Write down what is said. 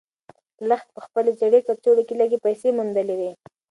لښتې په خپلې زړې کڅوړې کې لږې پیسې موندلې وې.